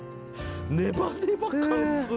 ネバネバ感すごい。